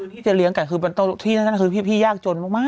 ที่จะเลี้ยงไก่คือพี่ยากจนมาก